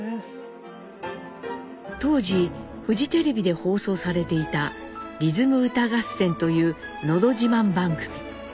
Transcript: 当時フジテレビで放送されていた「リズム歌合戦」というのど自慢番組。